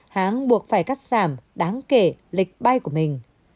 hãng buộc phải cắt giảm đáng kể lịch bay của mình